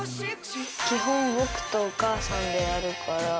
基本僕とお母さんでやるから。